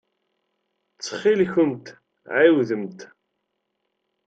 Ttxil-kent ɛiwdemt.